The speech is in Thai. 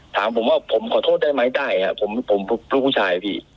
ถามผมว่าผมขอโทษได้ไหมได้ครับผมลูกผู้ชายพี่